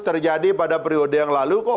terjadi pada periode yang lalu kok